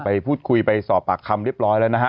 ไปพูดคุยไปสอบปากคำเรียบร้อยแล้วนะฮะ